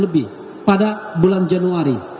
lebih pada bulan januari